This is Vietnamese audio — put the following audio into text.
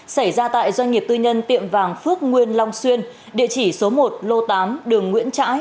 xảy ra tại doanh nghiệp tư nhân tiệm vàng phước nguyên long xuyên địa chỉ số một lô tám đường nguyễn trãi